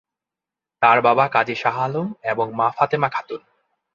তার বাবা কাজী শাহ আলম ও মা ফাতেমা খাতুন।